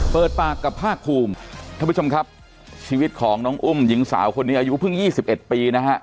เปิดปากกับภาคภูมิท่านผู้ชมครับชีวิตของน้องอุ้มหญิงสาวคนนี้อายุเพิ่ง๒๑ปีนะฮะ